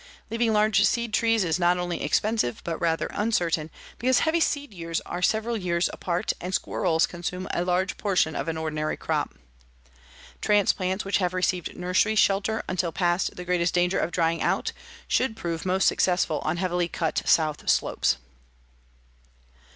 Leaving large seed trees is not only expensive, but rather uncertain, because heavy seed years are several years apart and squirrels consume a large portion of an ordinary crop. Transplants which have received nursery shelter until past the greatest danger of drying out should prove most successful on heavily cut south slopes.